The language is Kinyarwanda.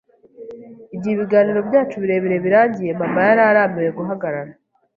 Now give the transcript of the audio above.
Igihe ibiganiro byacu birebire birangiye, Mama yari arambiwe guhagarara.